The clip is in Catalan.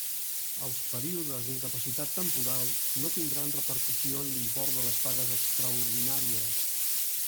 Els períodes d'incapacitat temporal no tindran repercussió en l'import de les pagues extraordinàries.